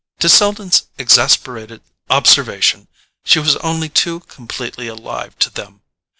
To Selden's exasperated observation she was only too completely alive to them.